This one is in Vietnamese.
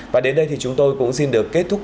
và đến đây thì chúng tôi cũng xin được kết thúc